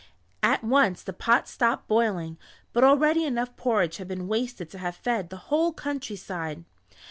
At once the pot stopped boiling, but already enough porridge had been wasted to have fed the whole countryside.